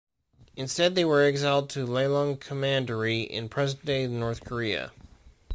Instead they were exiled to Lelang Commandery in present-day North Korea.